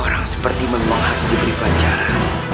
orang seperti manmohan diberi penjara